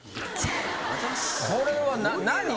これは何？